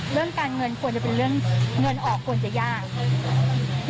เรื่องการเงินควรจะเป็นเรื่องเงินออกควรจะยาก